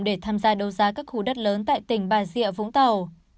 để tham gia đấu giá các khu đất lớn tại tỉnh bà rịa vũng tàu